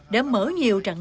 đã mở nhiều trận đấu